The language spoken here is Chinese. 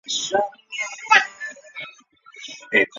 汉高祖刘邦封周勃为绛侯于此。